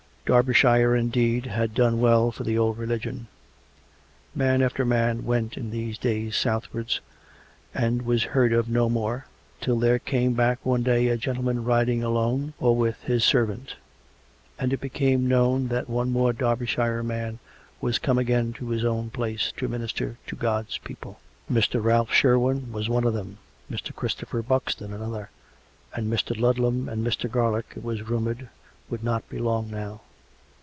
Derbyshire, indeed, had done well for the old Religion. Man after man went in these years southwards and was heard of no more, till there came back one day a gentle man riding alone, or with his servant; and it became known that one more Derbyshire man was come again to his own place to minister to God's people. Mr. Ralph Sherwine was one of them; Mr. Christopher Buxton an other; and Mr. Ludlam and Mr. Garlick, it was rumoured, would not be long now.